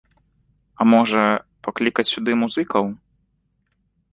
А можа, паклікаць сюды музыкаў?